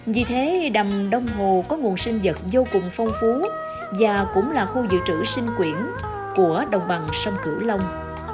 vì thế đầm đông hồ có nguồn sinh vật vô cùng phong phú và cũng là khu dự trữ sinh quyển của đồng bằng sông cửu long